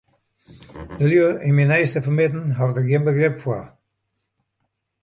De lju yn myn neiste fermidden hawwe dêr gjin begryp foar.